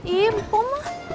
ibu pok mah